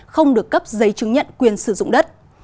không được cấp giấy chứng nhận quyền sử dụng đất